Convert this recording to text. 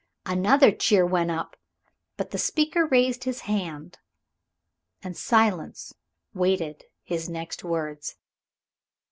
Another cheer went up. But the speaker raised his hand, and silence waited his next words.